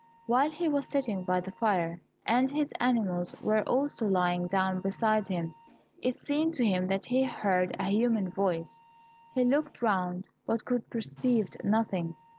While he was sitting by the fire, and his animals also were lying down beside him, it seemed to him that he heard a human voice. He looked round, but could perceived nothing.